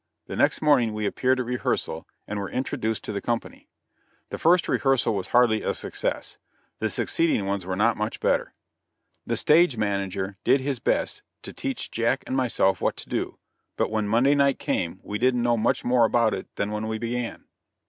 The next morning we appeared at rehearsal and were introduced to the company. The first rehearsal was hardly a success; and the succeeding ones were not much better. The stage manager did his best to teach Jack and myself what to do, but when Monday night came we didn't know much more about it than when we began.